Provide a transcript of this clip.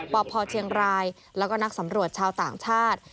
พพเชียงรายแล้วก็นักสำรวจชาวต่างชาติ